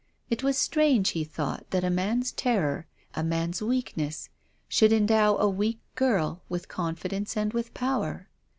It was strange, he thought, that a man's terror, a man's weakness, should endow a weak girl with confidence and with power.